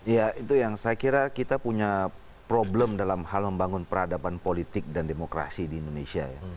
ya itu yang saya kira kita punya problem dalam hal membangun peradaban politik dan demokrasi di indonesia ya